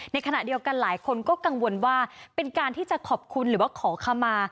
ในขณะเดียวกันหลายคนก็กังวลว่าเป็นการที่จะขอบคุณหรือว่าขอขมา